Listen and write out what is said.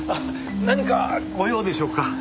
何かご用でしょうか？